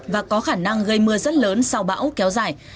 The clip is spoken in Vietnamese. và có khả năng gây mưa rất lớn sau bão kéo dài